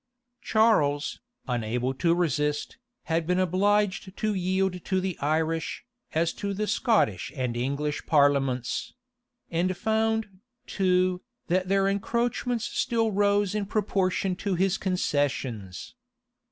Charles, unable to resist, had been obliged to yield to the Irish, as to the Scottish and English parliaments; and found, too, that their encroachments still rose in proportion to his concessions.